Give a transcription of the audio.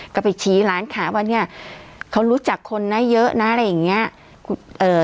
ก็ไปชี้ร้านค้าว่าเนี้ยเขารู้จักคนนะเยอะนะอะไรอย่างเงี้ยเอ่อ